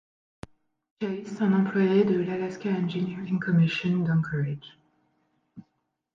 Chase, un employé de l'Alaska Engineering Commission d'Anchorage.